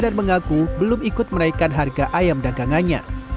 dan mengaku belum ikut menaikkan harga ayam dagangannya